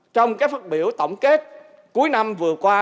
trong các phát biểu tổng kết cuối năm vừa qua